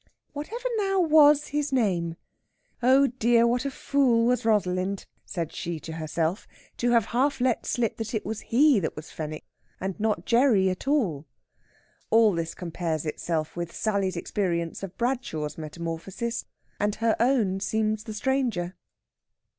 Whatever now was his name? Oh dear, what a fool was Rosalind! said she to herself, to have half let slip that it was he that was Fenwick, and not Gerry at all. All this compares itself with Sally's experience of Bradshaw's metamorphosis, and her own seems the stranger.